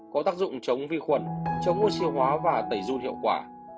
có tác dụng chống vi khuẩn chống ô siêu hóa và tẩy run hiệu quả